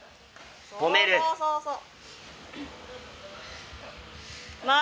そうそうそうそう。